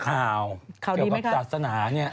ข่าวดีไหมครับข่าวดีนะครับเกี่ยวกับศาสนานี่